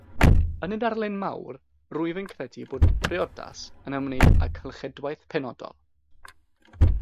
Yn y darlun mawr, rwyf yn credu bod 'priodas' yn ymwneud â cylchedwaith penodol.